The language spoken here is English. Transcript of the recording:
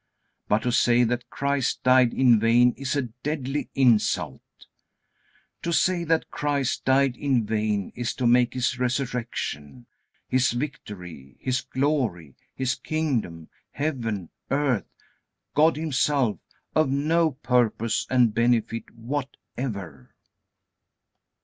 But to say that Christ died in vain is a deadly insult. To say that Christ died in vain is to make His resurrection, His victory, His glory, His kingdom, heaven, earth, God Himself, of no purpose and benefit whatever.